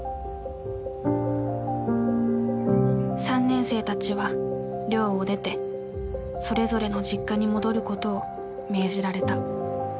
３年生たちは寮を出てそれぞれの実家に戻ることを命じられた。